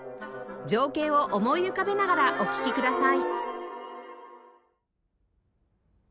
情景を思い浮かべながらお聴きください